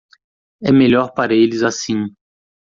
É melhor para eles assim.